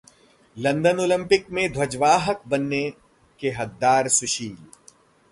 'London Olympic में ध्वजवाहक बनने के हकदार सुशील'